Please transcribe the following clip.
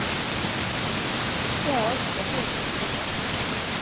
设鏊子的过程可简可繁。